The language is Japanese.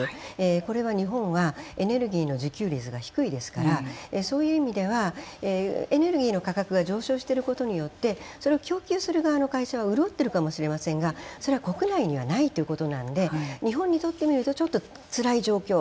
これは日本はエネルギーの自給率が低いですからそういう意味ではエネルギーの価格が上昇していることによってそれを供給する側の会社は潤っているかもしれませんがそれは国内にはないということなので日本にとっては、つらい状況。